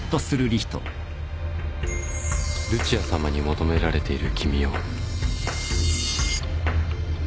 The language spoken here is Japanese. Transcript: ルチアさまに求められている君を。